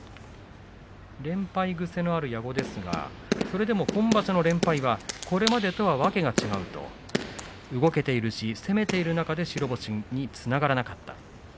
連敗癖のある矢後ですがそれでも今場所の連敗はこれまでとはわけが違う動けているし攻めているけれども白星につながらなかった。